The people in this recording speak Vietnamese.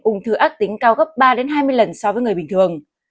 ung thư ác tính cao gấp ba hai mươi lần so với người bình thường